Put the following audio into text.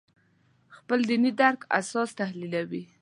خپل دیني درک اساس تحلیلوي.